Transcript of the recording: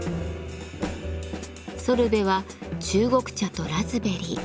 ソルベは中国茶とラズベリー。